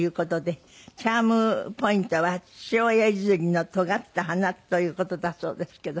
チャームポイントは父親譲りのとがった鼻という事だそうですけど。